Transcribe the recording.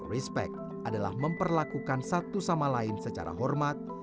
respect adalah memperlakukan satu sama lain secara hormat